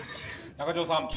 中条さん